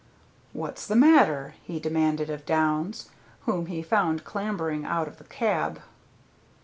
"What's the matter?" he demanded of Downs, whom he found clambering out of the cab.